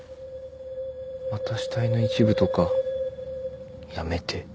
また死体の一部とかやめて。